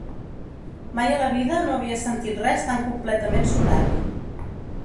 Mai a la vida no havia sentit res tan completament sonat.